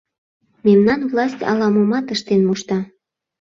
Мемнан власть ала-момат ыштен мошта.